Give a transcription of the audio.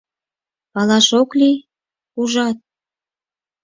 Палаш ок лий, ужат?